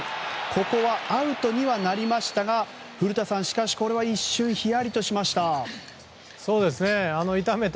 ここはアウトにはなりましたが古田さん、しかしこれは一瞬ひやりとしました。